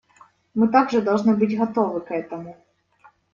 Мы также должны быть готовы к этому.